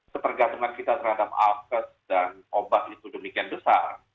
ketergantungan kita terhadap alkes dan obat itu demikian besar